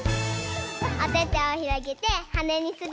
おててをひろげてはねにするよ。